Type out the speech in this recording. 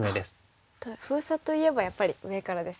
封鎖といえばやっぱり上からですよね。